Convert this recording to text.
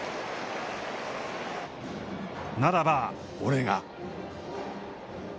ならば、俺が。